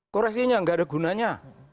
koreksinya gak ada gunanya